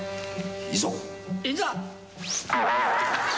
いざ！